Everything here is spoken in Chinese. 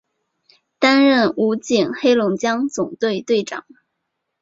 担任武警黑龙江总队队长。